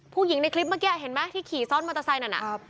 ผู้หญิงในคลิปเมื่อกี้เห็นไหมที่ขี่ซ้อนมอเตอร์ไซค์นั่นน่ะ